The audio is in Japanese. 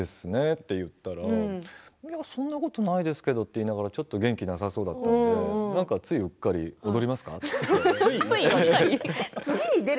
って言ったらいや、そんなことないですけどと言いながらちょっと元気がなさそうだったので、ついうっかり踊りますか？